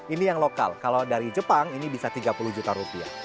ini yang lokal kalau dari jepang ini bisa tiga puluh juta rupiah